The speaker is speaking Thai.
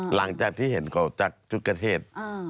หลังจากที่เห็นทำให้ต่างจากจุฯกเทศ